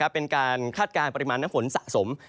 เป็นการคาดการณ์ปริมาณน้ำฝนสะสม